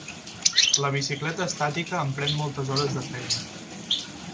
La bicicleta estàtica em pren moltes hores de feina.